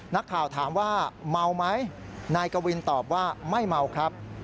นักข่าวถามว่าเมาไหมนายกวินตอบว่าไม่เมาครับ